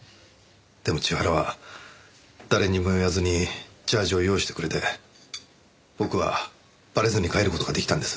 でも千原は誰にも言わずにジャージーを用意してくれて僕はバレずに帰る事が出来たんです。